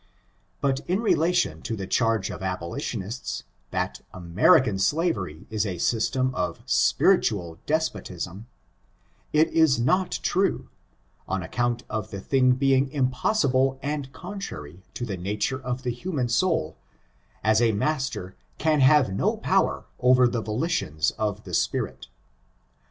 But in relation to the charge of abolitionists, that Ameri can slavery is a system of spiritual despotism, it is not true, on account of the thing being impossible and contrary to the nature of the human soul, as a master can have no power over the volitions of the spirit.